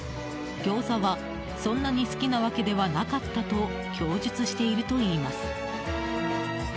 ギョーザは、そんなに好きなわけではなかったと供述しているといいます。